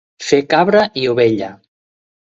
Fer cabra i ovella.